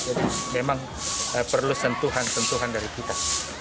jadi memang perlu sentuhan sentuhan dari kita